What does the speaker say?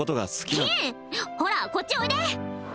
キンほらこっちおいで！